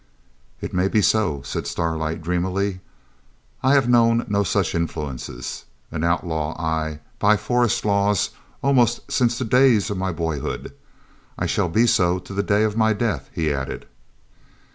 'It may be so,' said Starlight dreamily. 'I have known no such influences. An outlaw I, by forest laws, almost since the days of my boyhood, I shall be so till the day of my death,' he added.